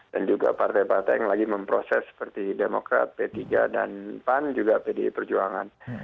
dan juga partai partai yang lagi memproses seperti demokrat p tiga dan pan juga pdi perjuangan